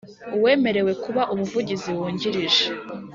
Uwemerewe kuba Umuvugizi Wungirije